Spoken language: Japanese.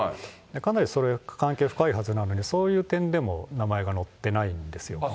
かなりそれ、関係深いはずなのに、そういう点でも名前が載ってないんですよ。